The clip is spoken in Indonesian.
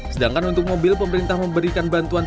sedangkan untuk mobil pemerintah memberikan bantuan